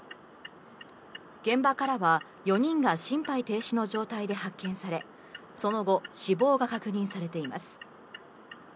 現場からは４人が心肺停止の状態で発見され、その後、死亡が確認されています。